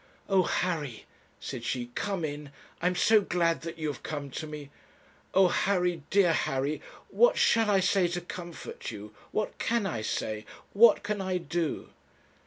'Oh! Harry,' said she, 'come in; I am so glad that you have come to me. Oh! Harry, dear Harry, what shall I say to comfort you? What can I say what can I do?'